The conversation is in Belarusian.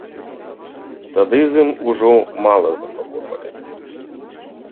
Тады з ім ужо мала загаворвалі.